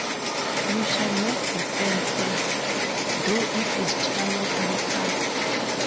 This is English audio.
You shall not defend her, though it is Charlotte Lucas.